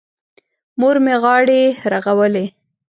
مور مې غاړې رغولې.